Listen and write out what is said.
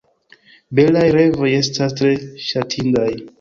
Belaj revoj estas tre ŝatindaj.